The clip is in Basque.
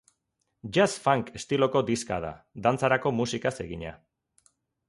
Jazz-funk estiloko diska da, dantzarako musikaz egina.